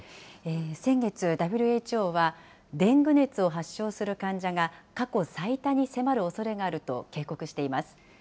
先月、ＷＨＯはデング熱を発症する患者が過去最多に迫るおそれがあると、警告しています。